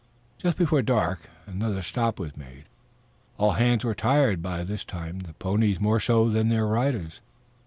Just before dark another stop was made. All hands were tired by this time, the ponies more so than their riders.